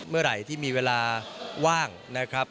เมื่อไหร่ที่มีเวลาว่างนะครับ